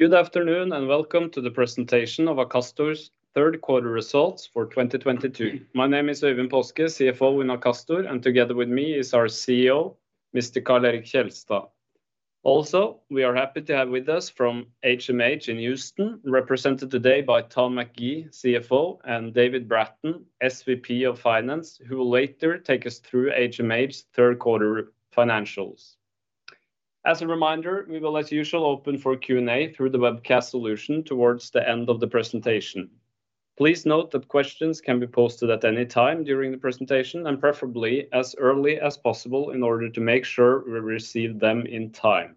Good afternoon, and welcome to the presentation of Akastor's Third Quarter Results for 2022. My name is Øyvind Paaske, CFO in Akastor, and together with me is our CEO, Mr. Karl Erik Kjelstad. Also, we are happy to have with us from HMH in Houston, represented today by Tom McGee, CFO, and David Bratton, SVP of Finance, who will later take us through HMH's third quarter financials. As a reminder, we will, as usual, open for Q&A through the webcast solution towards the end of the presentation. Please note that questions can be posted at any time during the presentation and preferably as early as possible in order to make sure we receive them in time.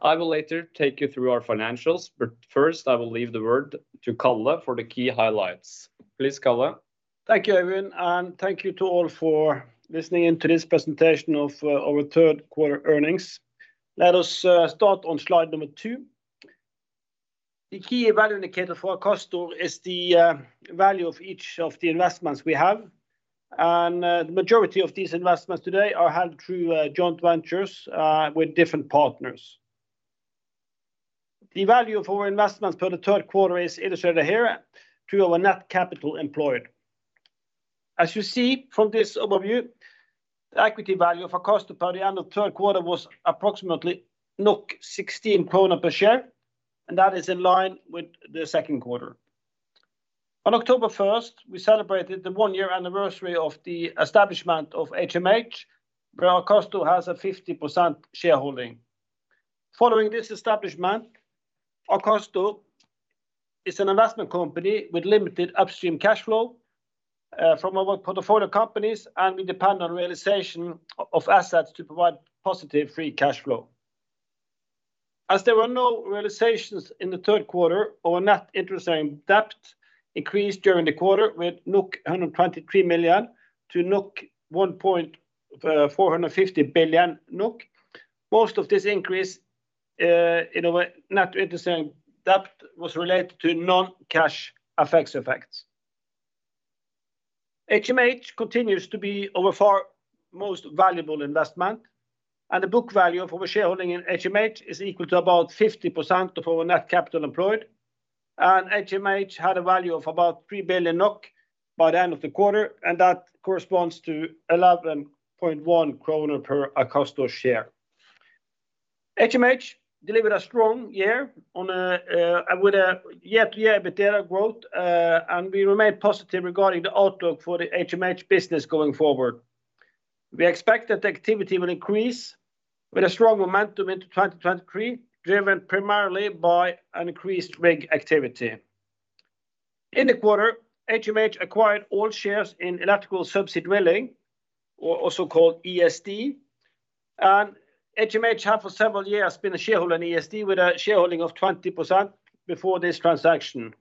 I will later take you through our financials, but first I will leave the word to Karl for the key highlights. Please, Karl. Thank you, Øyvind, and thank you to all for listening in to this presentation of our third quarter earnings. Let us start on slide number two. The key value indicator for Akastor is the value of each of the investments we have. The majority of these investments today are held through joint ventures with different partners. The value of our investments for the third quarter is illustrated here through our net capital employed. As you see from this overview, the equity value of Akastor by the end of third quarter was approximately 16 krone per share, and that is in line with the second quarter. On October 1st, we celebrated the one-year anniversary of the establishment of HMH, where Akastor has a 50% shareholding. Following this establishment, Akastor is an investment company with limited upstream cash flow from our portfolio companies, and we depend on realization of assets to provide positive free cash flow. There were no realizations in the third quarter, our net interest-bearing debt increased during the quarter with 123 million to 1.45 billion NOK. Most of this increase in our net interest-bearing debt was related to non-cash effects. HMH continues to be our by far most valuable investment, and the book value of our shareholding in HMH is equal to about 50% of our net capital employed. HMH had a value of about 3 billion NOK by the end of the quarter, and that corresponds to 11.1 kroner per Akastor share. HMH delivered a strong year with a year-to-year EBITDA growth, and we remain positive regarding the outlook for the HMH business going forward. We expect that the activity will increase with a strong momentum into 2023, driven primarily by an increased rig activity. In the quarter, HMH acquired all shares in Electrical Subsea & Drilling, or also called ESD. HMH had for several years been a shareholder in ESD with a shareholding of 20% before this transaction.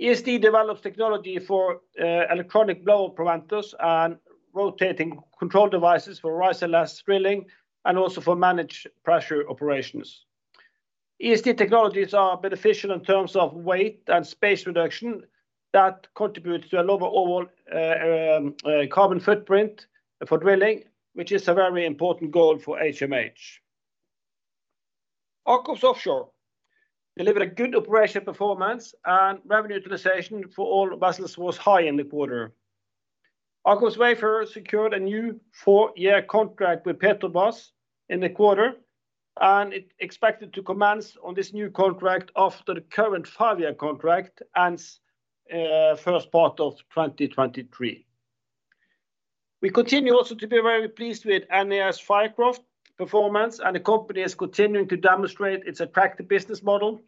ESD develops technology for electric blowout preventers and rotating control devices for riserless drilling and also for managed pressure operations. ESD technologies are beneficial in terms of weight and space reduction that contributes to a lower overall carbon footprint for drilling, which is a very important goal for HMH. AKOFS Offshore delivered a good operational performance and revenue utilization for all vessels was high in the quarter. Aker Wayfarer secured a new four-year contract with Petrobras in the quarter, and it expected to commence on this new contract after the current five-year contract ends, first part of 2023. We continue also to be very pleased with NES Fircroft performance, and the company is continuing to demonstrate its attractive business model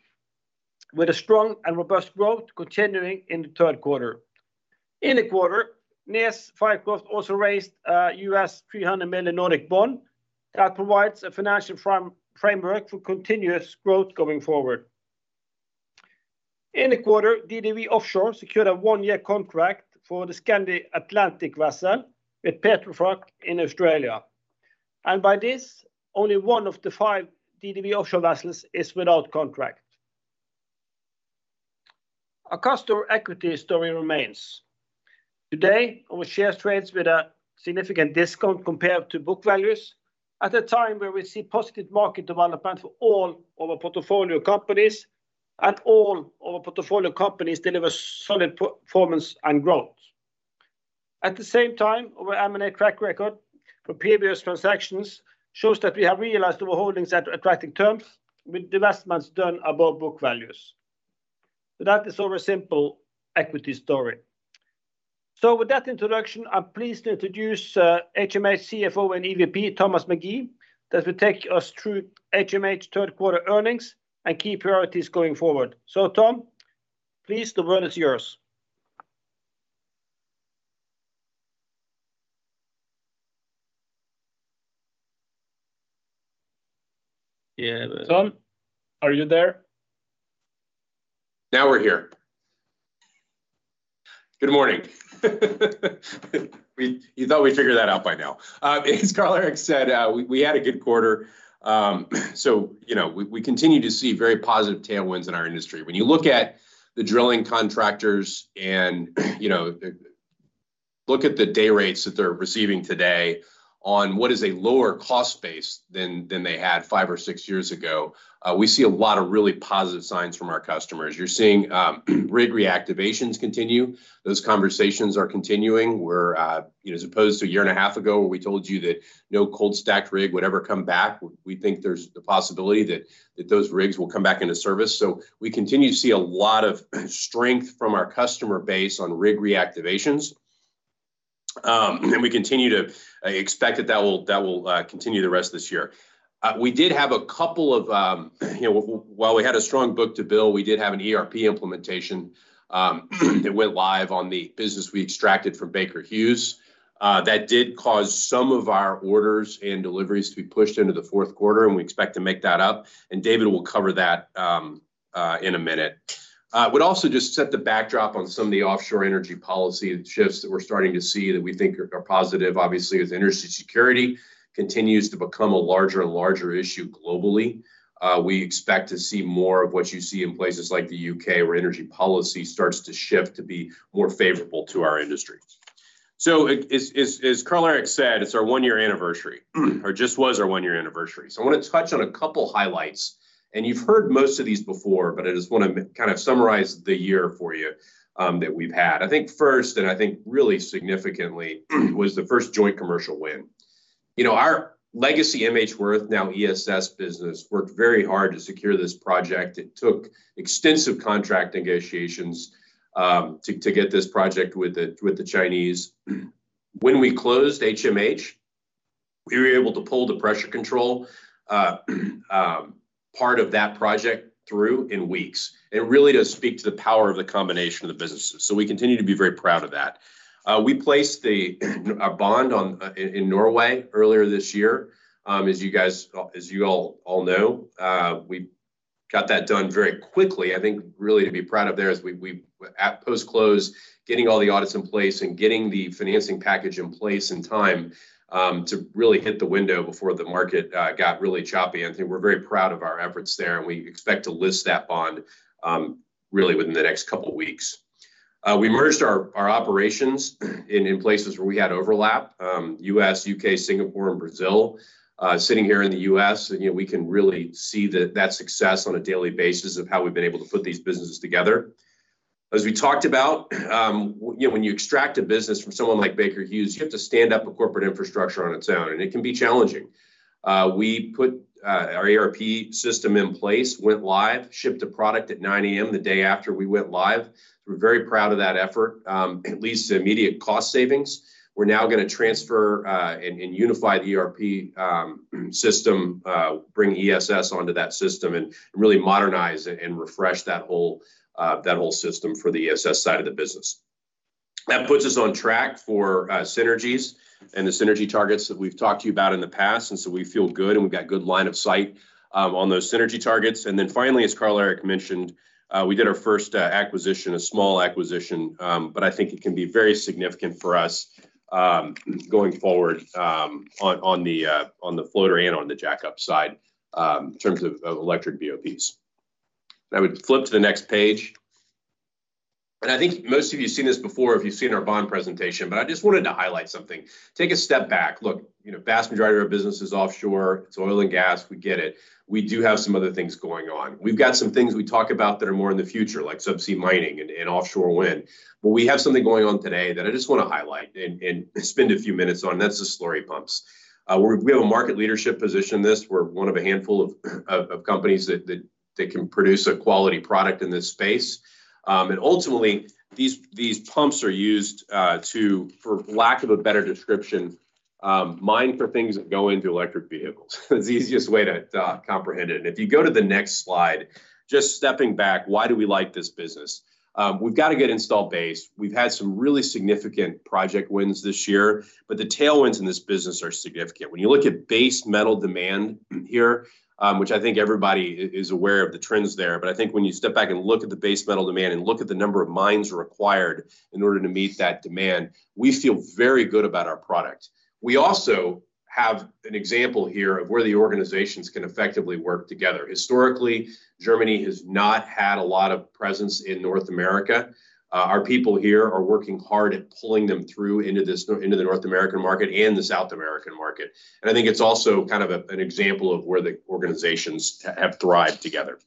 with a strong and robust growth continuing in the third quarter. In the quarter, NES Fircroft also raised a $300 million Nordic bond that provides a financial framework for continuous growth going forward. In the quarter, DDW Offshore secured a one-year contract for the Skandi Atlantic vessel with Petrofac in Australia. By this, only one of the five DDW Offshore vessels is without contract. Akastor equity story remains. Today, our shares trades with a significant discount compared to book values at a time where we see positive market development for all our portfolio companies and all our portfolio companies deliver solid performance and growth. At the same time, our M&A track record from previous transactions shows that we have realized our holdings at attractive terms with investments done above book values. That is our simple equity story. With that introduction, I'm pleased to introduce HMH CFO and EVP Thomas McGee that will take us through HMH third quarter earnings and key priorities going forward. Tom, please, the word is yours. Yeah. Tom, are you there? Now we're here. Good morning. You thought we'd figure that out by now. As Karl Erik said, we had a good quarter. So you know, we continue to see very positive tailwinds in our industry. When you look at the drilling contractors and, you know, look at the day rates that they're receiving today on what is a lower cost base than they had five or six years ago. We see a lot of really positive signs from our customers. You're seeing rig reactivations continue. Those conversations are continuing. We're you know, as opposed to a year and a half ago where we told you that no cold stacked rig would ever come back, we think there's the possibility that those rigs will come back into service. We continue to see a lot of strength from our customer base on rig reactivations. We continue to expect that will continue the rest of this year. While we had a strong book-to-bill, we did have an ERP implementation that went live on the business we extracted from Baker Hughes. That did cause some of our orders and deliveries to be pushed into the fourth quarter, and we expect to make that up, and David will cover that in a minute. I would also just set the backdrop on some of the offshore energy policy shifts that we're starting to see that we think are positive. Obviously, as energy security continues to become a larger and larger issue globally, we expect to see more of what you see in places like the U.K., where energy policy starts to shift to be more favorable to our industry. As Karl Erik said, it's our one-year anniversary, or just was our one-year anniversary. I wanna touch on a couple highlights, and you've heard most of these before, but I just wanna kind of summarize the year for you, that we've had. I think first, and I think really significantly, was the first joint commercial win. You know, our legacy MHWirth, now ESS business, worked very hard to secure this project. It took extensive contract negotiations, to get this project with the Chinese. When we closed HMH, we were able to pull the pressure control part of that project through in weeks. It really does speak to the power of the combination of the businesses, so we continue to be very proud of that. We placed a bond in Norway earlier this year. As you all know, we got that done very quickly. I think really to be proud of there is we at post-close, getting all the audits in place and getting the financing package in place in time to really hit the window before the market got really choppy. I think we're very proud of our efforts there, and we expect to list that bond really within the next couple weeks. We merged our operations in places where we had overlap, U.S., U.K., Singapore and Brazil. Sitting here in the U.S., you know, we can really see that success on a daily basis of how we've been able to put these businesses together. As we talked about, you know, when you extract a business from someone like Baker Hughes, you have to stand up a corporate infrastructure on its own, and it can be challenging. We put our ERP system in place, went live, shipped a product at 9:00 A.M. the day after we went live. We're very proud of that effort. It leads to immediate cost savings. We're now gonna transfer and unify the ERP system, bring ESS onto that system and really modernize it and refresh that whole system for the ESS side of the business. That puts us on track for synergies and the synergy targets that we've talked to you about in the past, and so we feel good, and we've got good line of sight on those synergy targets. Finally, as Karl Erik mentioned, we did our first acquisition, a small acquisition, but I think it can be very significant for us, going forward, on the floater and on the jackup side, in terms of Electric BOPs. I would flip to the next page. I think most of you have seen this before if you've seen our bond presentation, but I just wanted to highlight something. Take a step back. Look, you know, vast majority of our business is offshore. It's oil and gas. We get it. We do have some other things going on. We've got some things we talk about that are more in the future, like subsea mining and offshore wind. We have something going on today that I just wanna highlight and spend a few minutes on. That's the slurry pumps. We have a market leadership position in this. We're one of a handful of companies that can produce a quality product in this space. Ultimately, these pumps are used to, for lack of a better description, mine for things that go into electric vehicles. That's the easiest way to comprehend it. If you go to the next slide, just stepping back, why do we like this business? We've got a good install base. We've had some really significant project wins this year, but the tailwinds in this business are significant. When you look at base metal demand here, which I think everybody is aware of the trends there, but I think when you step back and look at the base metal demand and look at the number of mines required in order to meet that demand, we feel very good about our product. We also have an example here of where the organizations can effectively work together. Historically, Germany has not had a lot of presence in North America. Our people here are working hard at pulling them through into the North American market and the South American market. I think it's also kind of an example of where the organizations have thrived together.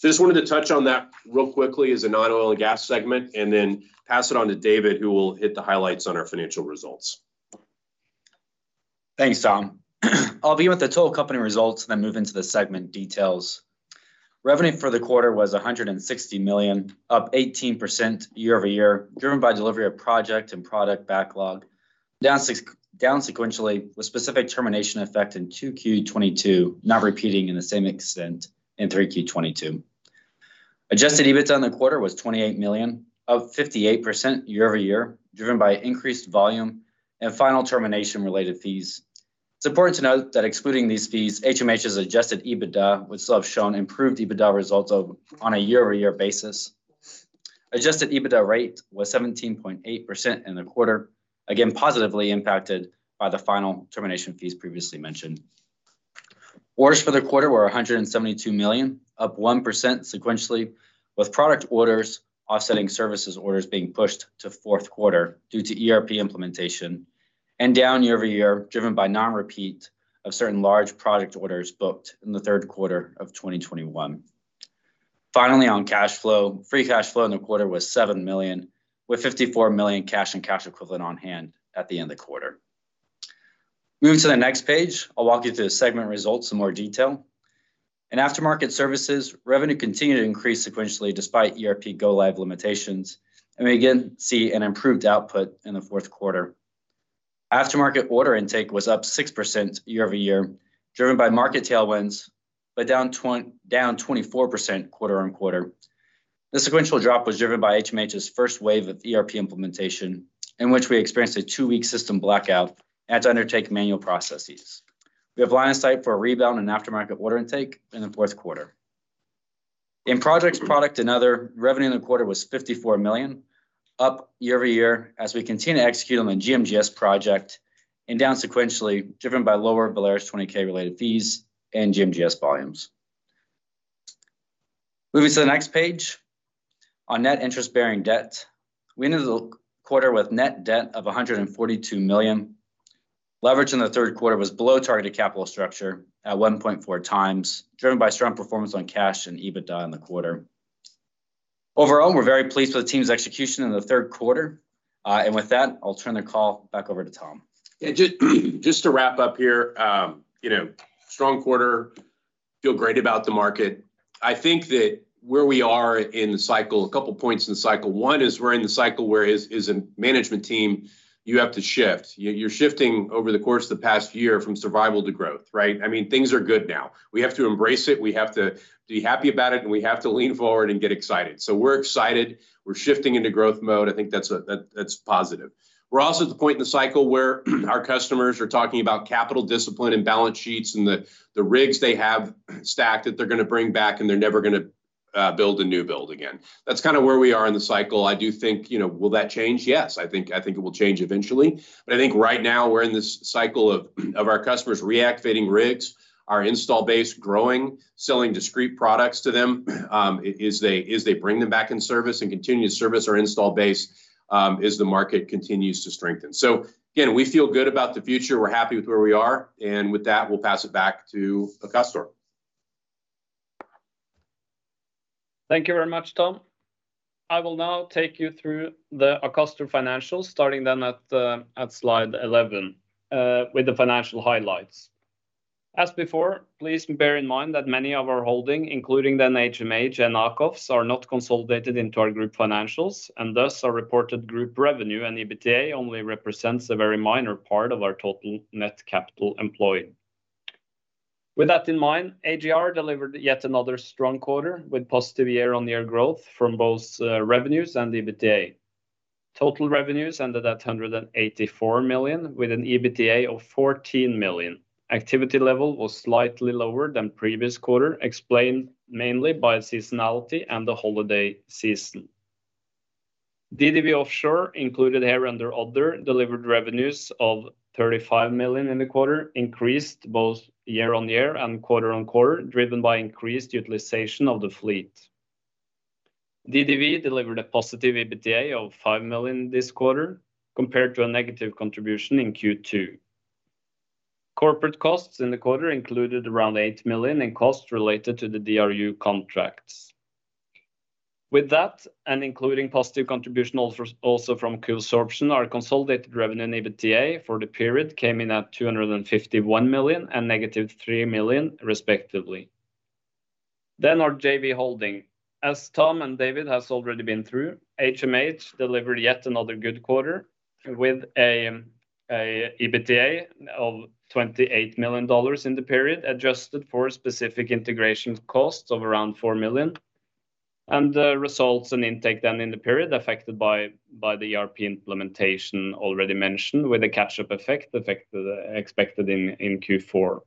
Just wanted to touch on that real quickly as a non-oil and gas segment, and then pass it on to David, who will hit the highlights on our financial results. Thanks, Tom. I'll begin with the total company results and then move into the segment details. Revenue for the quarter was 160 million, up 18% year-over-year, driven by delivery of project and product backlog. Down 6% sequentially with specific termination effect in 2Q22, not repeating in the same extent in 3Q22. Adjusted EBITDA on the quarter was 28 million, up 58% year-over-year, driven by increased volume and final termination related fees. It's important to note that excluding these fees, HMH's Adjusted EBITDA would still have shown improved EBITDA results of, on a year-over-year basis. Adjusted EBITDA rate was 17.8% in the quarter, again, positively impacted by the final termination fees previously mentioned. Orders for the quarter were 172 million, up 1% sequentially, with product orders offsetting services orders being pushed to fourth quarter due to ERP implementation and down year over year, driven by non-repeat of certain large product orders booked in the third quarter of 2021. Finally, on cash flow, free cash flow in the quarter was 7 million, with 54 million cash and cash equivalent on hand at the end of the quarter. Moving to the next page, I'll walk you through the segment results in more detail. In aftermarket services, revenue continued to increase sequentially despite ERP go-live limitations, and we again see an improved output in the fourth quarter. Aftermarket order intake was up 6% year-over-year, driven by market tailwinds, but down 24% quarter-over-quarter. The sequential drop was driven by HMH's first wave of ERP implementation, in which we experienced a two-week system blackout and to undertake manual processes. We have line of sight for a rebound in aftermarket order intake in the fourth quarter. In projects, product, and other, revenue in the quarter was 54 million, up year-over-year as we continue to execute on the GMGS project and down sequentially, driven by lower Valaris 10-K related fees and GMGS volumes. Moving to the next page. On net interest-bearing debt, we ended the quarter with net debt of 142 million. Leverage in the third quarter was below targeted capital structure at 1.4x, driven by strong performance on cash and EBITDA in the quarter. Overall, we're very pleased with the team's execution in the third quarter. With that, I'll turn the call back over to Tom. Yeah, just to wrap up here, you know, strong quarter, feel great about the market. I think that where we are in the cycle, a couple points in cycle. One is we're in the cycle where as a management team, you have to shift. You're shifting over the course of the past year from survival to growth, right? I mean, things are good now. We have to embrace it, we have to be happy about it, and we have to lean forward and get excited. We're excited. We're shifting into growth mode. I think that's positive. We're also at the point in the cycle where our customers are talking about capital discipline and balance sheets and the rigs they have stacked that they're gonna bring back, and they're never gonna build a new build again. That's kinda where we are in the cycle. I do think, you know, will that change? Yes. I think it will change eventually. I think right now, we're in this cycle of our customers reactivating rigs, our install base growing, selling discrete products to them, as they bring them back in service and continue to service our install base, as the market continues to strengthen. Again, we feel good about the future. We're happy with where we are, and with that, we'll pass it back to Akastor. Thank you very much, Tom. I will now take you through the Akastor financials, starting then at slide 11 with the financial highlights. As before, please bear in mind that many of our holdings, including then HMH and AKOFS Offshore, are not consolidated into our group financials, and thus our reported group revenue and EBITDA only represents a very minor part of our total net capital employed. With that in mind, AGR delivered yet another strong quarter with positive year-on-year growth from both revenues and EBITDA. Total revenues ended at 184 million, with an EBITDA of 14 million. Activity level was slightly lower than previous quarter, explained mainly by seasonality and the holiday season. DDW Offshore, included here under other, delivered revenues of 35 million in the quarter, increased both year-on-year and quarter-on-quarter, driven by increased utilization of the fleet. DDW delivered a positive EBITDA of 5 million this quarter, compared to a negative contribution in Q2. Corporate costs in the quarter included around 8 million in costs related to the DRU contracts. With that, and including positive contribution also from cost absorption, our consolidated revenue and EBITDA for the period came in at 251 million and -3 million, respectively. Our JV holding. As Tom and David has already been through, HMH delivered yet another good quarter with an EBITDA of $28 million in the period, adjusted for specific integration costs of around 4 million. The results and intake then in the period affected by the ERP implementation already mentioned, with a catch-up effect expected in Q4.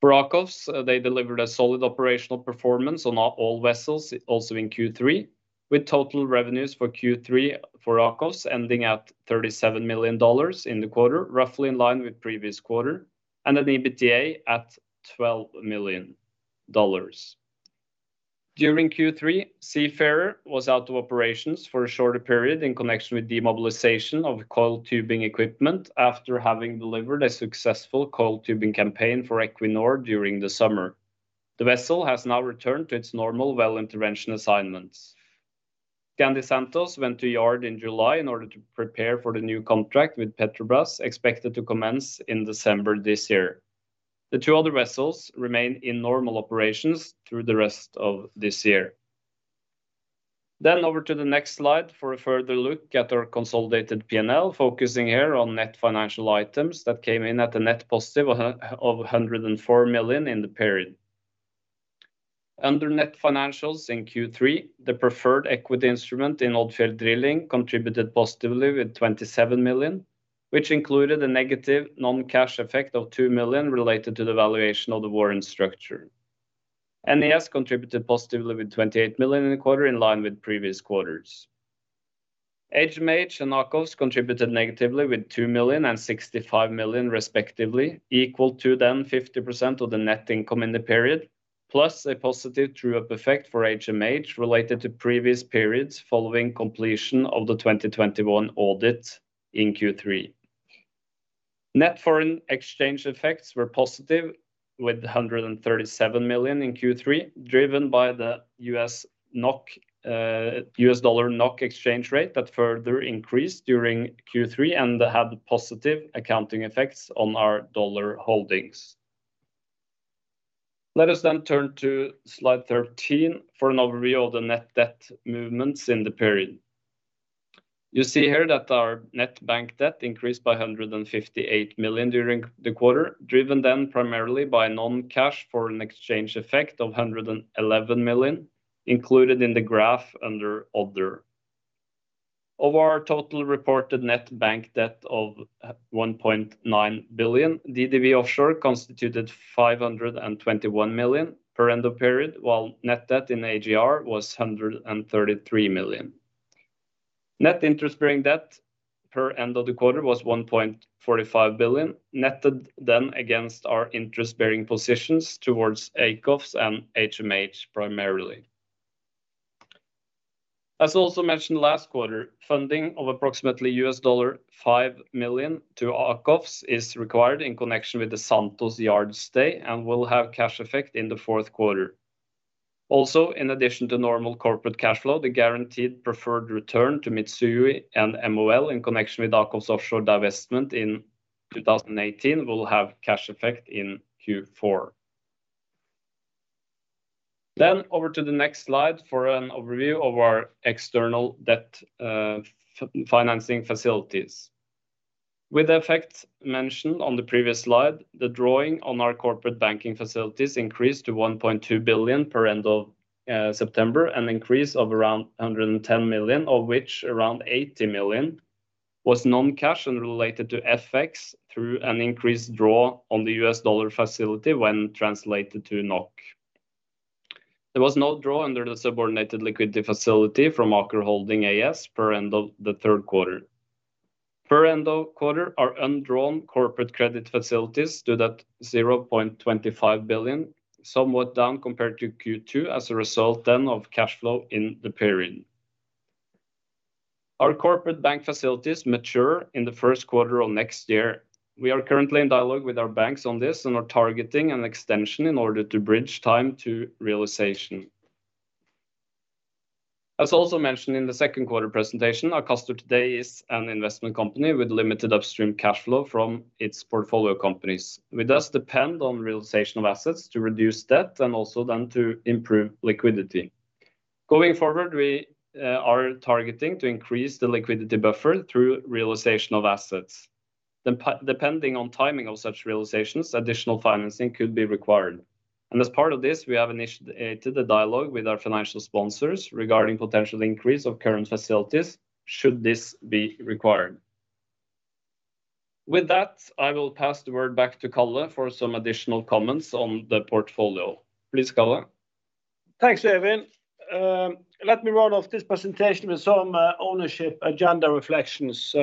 For AKOFS, they delivered a solid operational performance on all vessels, also in Q3, with total revenues for Q3 for AKOFS ending at $37 million in the quarter, roughly in line with previous quarter, and an EBITDA at $12 million. During Q3, Seafarer was out of operations for a shorter period in connection with demobilization of coiled tubing equipment after having delivered a successful coiled tubing campaign for Equinor during the summer. The vessel has now returned to its normal well intervention assignments. Skandi Santos went to yard in July in order to prepare for the new contract with Petrobras, expected to commence in December this year. The two other vessels remain in normal operations through the rest of this year. Over to the next slide for a further look at our consolidated P&L, focusing here on net financial items that came in at a net positive of 104 million in the period. Under net financials in Q3, the preferred equity instrument in Odfjell Drilling contributed positively with 27 million, which included a negative non-cash effect of 2 million related to the valuation of the warrant structure. NES contributed positively with 28 million in the quarter, in line with previous quarters. HMH and AKOFS Offshore contributed negatively with 2 million and 65 million respectively equal to then 50% of the net income in the period, plus a positive true-up effect for HMH related to previous periods following completion of the 2021 audit in Q3. Net foreign exchange effects were positive with 137 million in Q3, driven by the U.S dollar NOK exchange rate that further increased during Q3 and had positive accounting effects on our dollar holdings. Let us turn to slide 13 for an overview of the net debt movements in the period. You see here that our net bank debt increased by 158 million during the quarter, driven primarily by non-cash foreign exchange effect of 111 million included in the graph under other. Of our total reported net bank debt of 1.9 billion, DDW Offshore constituted 521 million per end of period, while net debt in AGR was 133 million. Net interest-bearing debt per end of the quarter was 1.45 billion, netted then against our interest-bearing positions towards AKOFS and HMH primarily. As also mentioned last quarter, funding of approximately $5 million to AKOFS is required in connection with the Santos yard stay and will have cash effect in the fourth quarter. Also, in addition to normal corporate cash flow, the guaranteed preferred return to Mitsui and MOL in connection with Aker's offshore divestment in 2018 will have cash effect in Q4. Over to the next slide for an overview of our external debt financing facilities. With the effect mentioned on the previous slide, the drawing on our corporate banking facilities increased to 1.2 billion per end of September, an increase of around 110 million, of which around 80 million was non-cash and related to FX through an increased draw on the U.S. dollar facility when translated to NOK. There was no draw under the subordinated liquidity facility from Aker Holding AS per end of the third quarter. Per end of quarter, our undrawn corporate credit facilities stood at 0.25 billion, somewhat down compared to Q2 as a result then of cash flow in the period. Our corporate bank facilities mature in the first quarter of next year. We are currently in dialogue with our banks on this and are targeting an extension in order to bridge time to realization. As also mentioned in the second quarter presentation, Aker today is an investment company with limited upstream cash flow from its portfolio companies. We thus depend on realization of assets to reduce debt and also then to improve liquidity. Going forward, we are targeting to increase the liquidity buffer through realization of assets. Depending on timing of such realizations, additional financing could be required. As part of this, we have initiated a dialogue with our financial sponsors regarding potential increase of current facilities should this be required. With that, I will pass the word back to Karl Erik Kjelstad for some additional comments on the portfolio. Please, Karl Erik Kjelstad. Thanks, Øyvind. Let me run off this presentation with some ownership agenda reflections.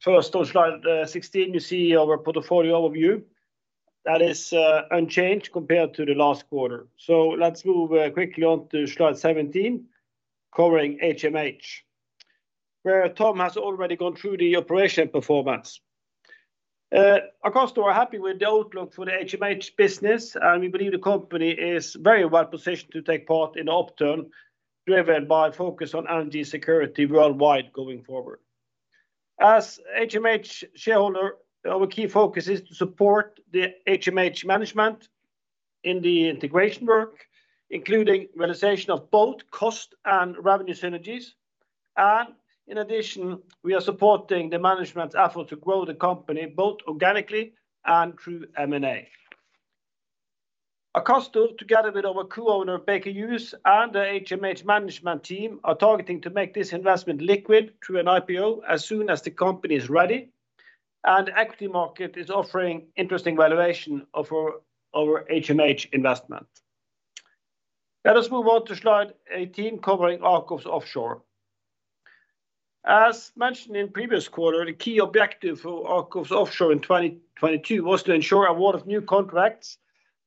First on slide 16, you see our portfolio overview. That is, unchanged compared to the last quarter. Let's move quickly on to slide 17, covering HMH, where Tom has already gone through the operational performance. Aker are happy with the outlook for the HMH business, and we believe the company is very well positioned to take part in the upturn driven by focus on energy security worldwide going forward. As HMH shareholder, our key focus is to support the HMH management in the integration work, including realization of both cost and revenue synergies. In addition, we are supporting the management's effort to grow the company both organically and through M&A. Akastor, together with our co-owner Baker Hughes and the HMH management team, are targeting to make this investment liquid through an IPO as soon as the company is ready and equity market is offering interesting valuation of our HMH investment. Let us move on to slide 18, covering AKOFS Offshore. As mentioned in previous quarter, the key objective for AKOFS Offshore in 2022 was to ensure award of new contracts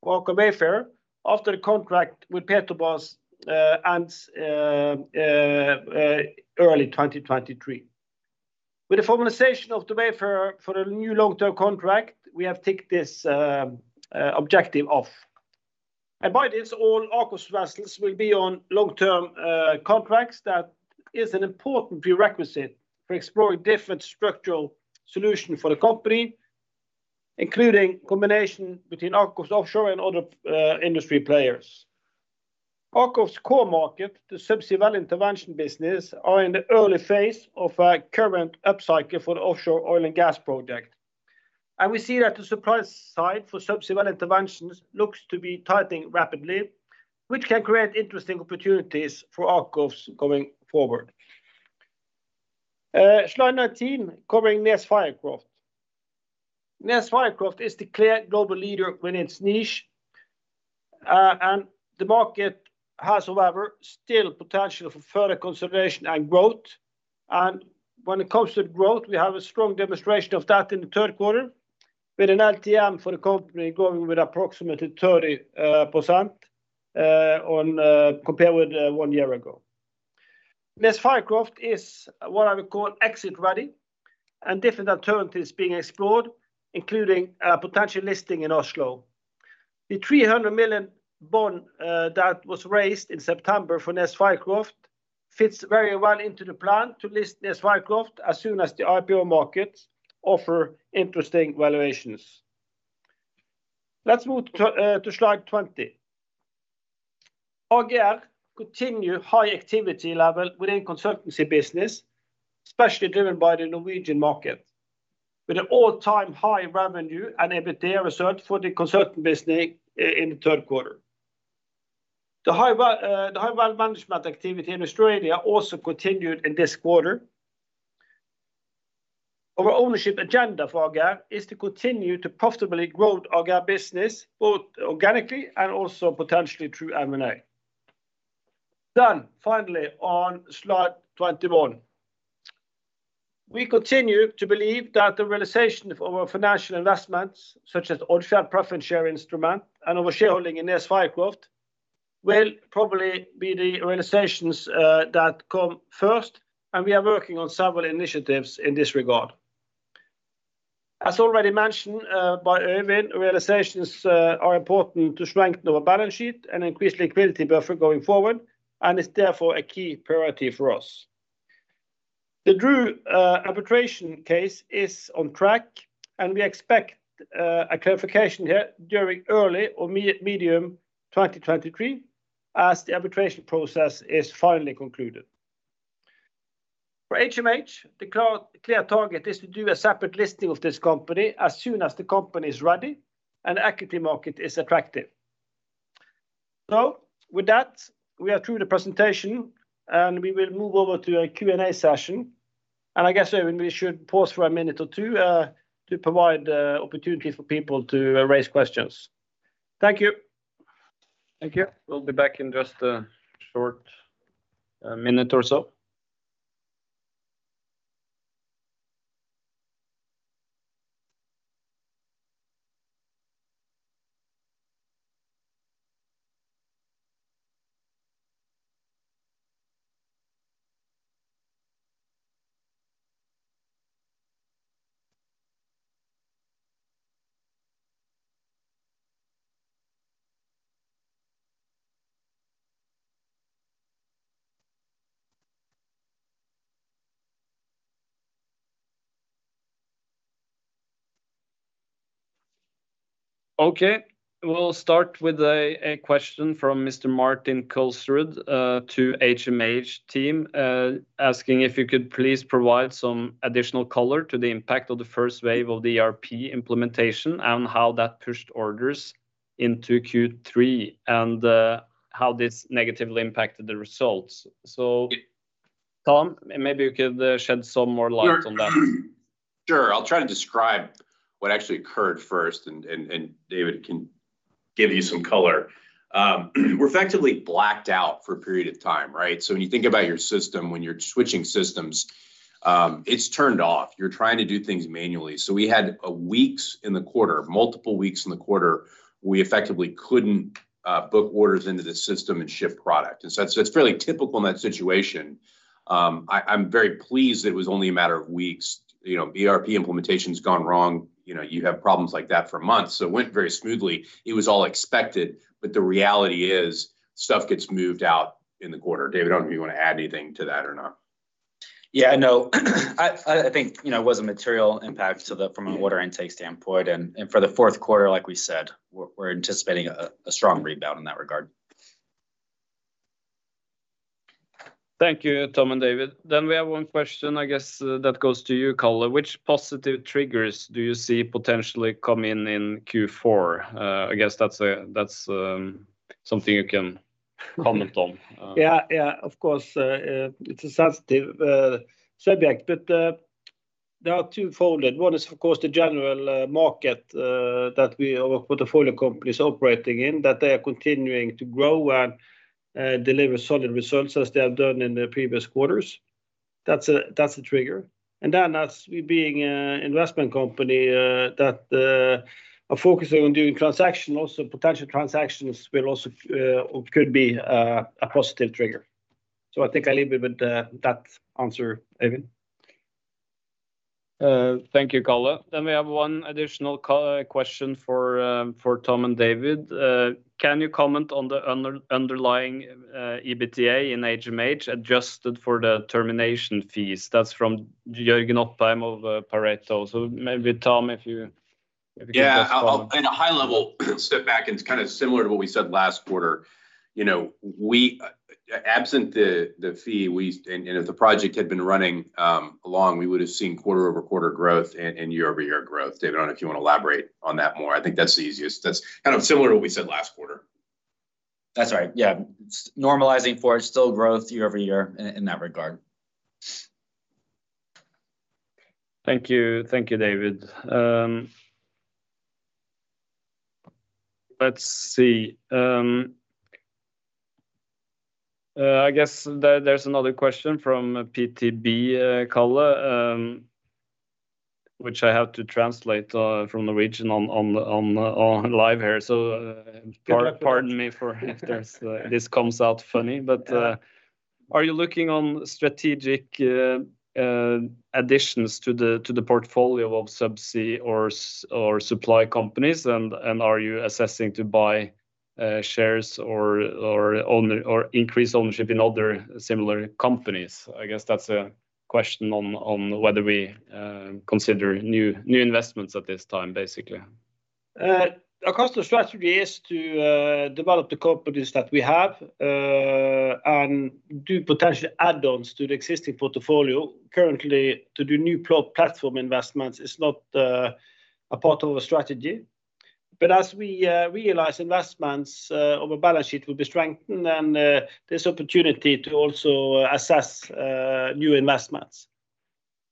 for Aker Wayfarer after the contract with Petrobras ends early 2023. With the formalization of the Wayfarer for a new long-term contract, we have ticked this objective off. By this all AKOFS's vessels will be on long-term contracts. That is an important prerequisite for exploring different structural solution for the company, including combination between AKOFS Offshore and other industry players. Akastor's core market, the subsea well intervention business, are in the early phase of a current upcycle for the offshore oil and gas project. We see that the supply side for subsea well interventions looks to be tightening rapidly, which can create interesting opportunities for Akastor going forward. Slide 19, covering NES Fircroft. NES Fircroft is the clear global leader within its niche. The market has, however, still potential for further consolidation and growth. When it comes to growth, we have a strong demonstration of that in the third quarter, with an LTM for the company growing with approximately 30% compared with one year ago. NES Fircroft is what I would call exit-ready, and different alternatives are being explored, including a potential listing in Oslo. The 300 million bond that was raised in September for NES Fircroft fits very well into the plan to list NES Fircroft as soon as the IPO markets offer interesting valuations. Let's move to slide 20. AGR continues high activity level within consultancy business, especially driven by the Norwegian market, with an all-time high revenue and EBITDA recorded for the consulting business in the third quarter. The high well management activity in Australia also continued in this quarter. Our ownership agenda for AGR is to continue to profitably grow AGR business, both organically and also potentially through M&A. Finally, on slide 21. We continue to believe that the realization of our financial investments, such as Odfjell preference share instrument and our shareholding in NES Fircroft, will probably be the realizations that come first, and we are working on several initiatives in this regard. As already mentioned by Øyvind, realizations are important to strengthen our balance sheet and increase liquidity buffer going forward and is therefore a key priority for us. The DRU arbitration case is on track, and we expect a clarification here during early or medium 2023 as the arbitration process is finally concluded. For HMH, the clear target is to do a separate listing of this company as soon as the company is ready and the equity market is attractive. With that, we are through the presentation, and we will move over to a Q&A session. I guess, Øyvind, we should pause for a minute or two to provide opportunity for people to raise questions. Thank you. Thank you. We'll be back in just a short minute or so. Okay. We'll start with a question from Mr. Martin Gulestøl to HMH team, asking if you could please provide some additional color to the impact of the first wave of the ERP implementation and how that pushed orders into Q3 and how this negatively impacted the results. Tom, maybe you could shed some more light on that. Sure. I'll try to describe what actually occurred first, and David can give you some color. We're effectively blacked out for a period of time, right? When you think about your system, when you're switching systems, it's turned off. You're trying to do things manually. We had weeks in the quarter, multiple weeks in the quarter, we effectively couldn't book orders into the system and ship product. It's fairly typical in that situation. I'm very pleased it was only a matter of weeks. You know, ERP implementation's gone wrong, you know, you have problems like that for months, so it went very smoothly. It was all expected, but the reality is, stuff gets moved out in the quarter. David, I don't know if you want to add anything to that or not. Yeah, no. I think, you know, it was a material impact from an order intake standpoint. For the fourth quarter, like we said, we're anticipating a strong rebound in that regard. Thank you, Tom and David. We have one question, I guess, that goes to you, Karl. Which positive triggers do you see potentially come in in Q4? I guess that's something you can comment on. Yeah, yeah, of course. It's a sensitive subject, but there are twofold. One is, of course, the general market that our portfolio company's operating in, that they are continuing to grow and deliver solid results as they have done in the previous quarters. That's a trigger. Then as we being an investment company that are focusing on doing transactions, also potential transactions or could be a positive trigger. I think I leave it with that answer, Øyvind. Thank you, Karl. We have one additional question for Tom and David. Can you comment on the underlying EBITDA in HMH adjusted for the termination fees? That's from Jørgen Øyehaug of Pareto. Maybe Tom, if you maybe give us some- Yeah. I'll at a high level step back, and it's kind of similar to what we said last quarter. You know, absent the fee, and if the project had been running along, we would have seen quarter-over-quarter growth and year-over-year growth. David, I don't know if you wanna elaborate on that more. I think that's the easiest. That's kind of similar to what we said last quarter. That's right, yeah. Seasonally normalizing for it, still growth year-over-year in that regard. Thank you. Thank you, David. Let's see. I guess there's another question from PTB caller, which I have to translate from Norwegian on live here. Good luck with that. Pardon me for if there's, this comes out funny. Yeah. Are you looking on strategic additions to the portfolio of subsea or supply companies and are you assessing to buy shares or own or increase ownership in other similar companies? I guess that's a question on whether we consider new investments at this time, basically. Akastor's strategy is to develop the companies that we have and do potential add-ons to the existing portfolio. Currently, to do new platform investments is not a part of our strategy. As we realize investments, our balance sheet will be strengthened and there's opportunity to also assess new investments.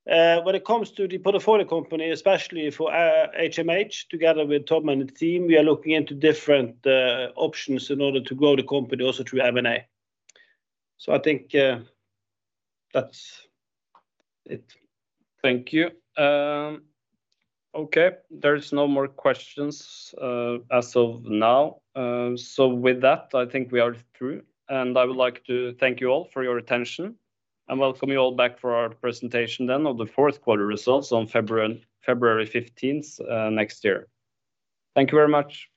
When it comes to the portfolio company, especially for HMH, together with Tom and the team, we are looking into different options in order to grow the company also through M&A. I think that's it. Thank you. Okay, there is no more questions, as of now. With that, I think we are through, and I would like to thank you all for your attention and welcome you all back for our presentation then of the fourth quarter results on February 15th, next year. Thank you very much.